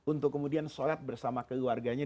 untuk kemudian sholat bersama keluarganya